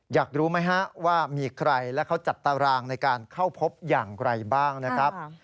อยากรู้ไหมฮะว่ามีใครและเขาจัดตารางในการเข้าพบอย่างไรบ้างนะครับ